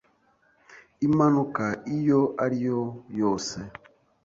impanuka iyo ariyo yose